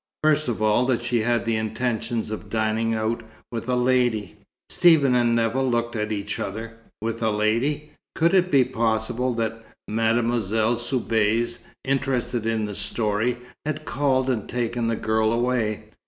"First of all, that she had the intention of dining out. With a lady." Stephen and Nevill looked at each other. With a lady? Could it be possible that Mademoiselle Soubise, interested in the story, had called and taken the girl away?